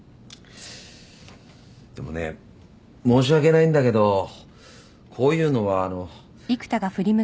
でもね申し訳ないんだけどこういうのはあの。